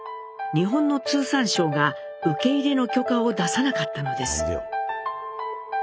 日本の通産省が受け入れの許可を出さなかったのです。